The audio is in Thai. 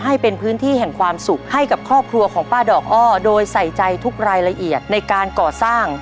ให้เป็นพื้นที่แห่งความสุขให้กับครอบครัวของป้าดอกอ้อโดยใส่ใจทุกรายละเอียดในการก่อสร้าง